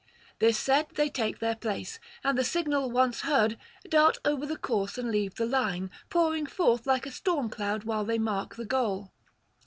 This said, they take their place, and the signal once heard, dart over the course and leave the line, pouring forth like a storm cloud while they mark the goal.